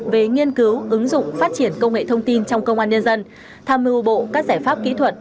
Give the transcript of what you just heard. về nghiên cứu ứng dụng phát triển công nghệ thông tin trong công an nhân dân tham mưu bộ các giải pháp kỹ thuật